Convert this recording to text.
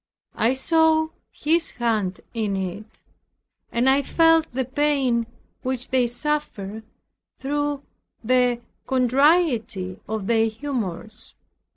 I saw His hand in it, and I felt the pain which they suffered, through the contrariety of their humors.